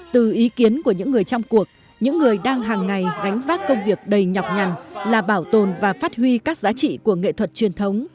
từ ý kiến của những người trong cuộc những người đang hàng ngày gánh vác công việc đầy nhọc nhằn là bảo tồn và phát huy các giá trị của nghệ thuật truyền thống